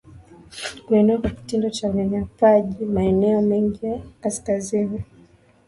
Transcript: kuenea kwa kitendo cha unyanyapaji maeneo mengi ya kazini